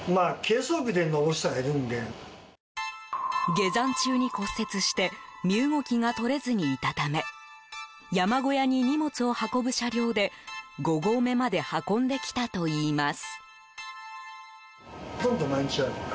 下山中に骨折して身動きが取れずにいたため山小屋に荷物を運ぶ車両で５合目まで運んできたといいます。